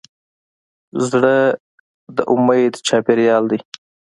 زړه د امید چاپېریال دی.